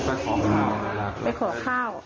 ไปขอข้าวโลรักษณ์